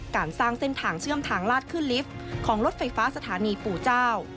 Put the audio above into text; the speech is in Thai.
การสร้างเส้นทางเชื่อมทางลาดขึ้นลิฟต์ของรถไฟฟ้าสถานีปู่เจ้า